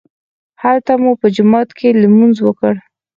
هلته مو په جومات کې لمونځ وکړ.